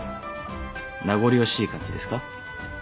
名残惜しい感じですか？